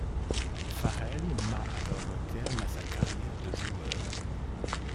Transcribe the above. Farrell mat alors un terme à sa carrière de joueur.